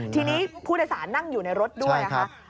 ทีนี้ผู้โดยสารนั่งอยู่ในรถด้วยค่ะ